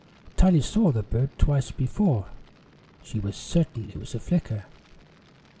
Tiny saw the bird twice before she was certain it was a flicker.